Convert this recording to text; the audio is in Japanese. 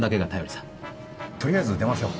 とりあえず出ましょう。